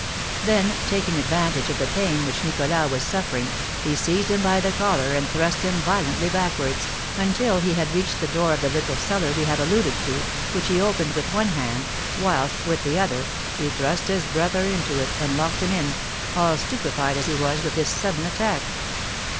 Then, taking advantage of the pain which Nicholas was suffering, he seized him by the collar, and thrust him violently backwards, until he had reached the door of the little cellar we have alluded to, which he opened with one hand, whilst, with the other, he thrust his brother into it, and locked him in, all stupefied as he was with this sudden attack.